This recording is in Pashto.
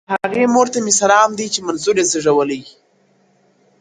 • هغې مور ته مي سلام دی چي منظور یې زېږولی ,